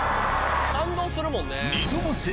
感動するもんね。